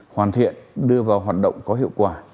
hoàn thiện đưa vào hoạt động có hiệu quả